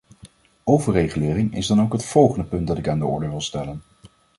Overregulering is dan ook het volgende punt dat ik aan de orde wil stellen.